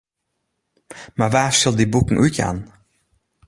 Mar wa sil dy boeken útjaan?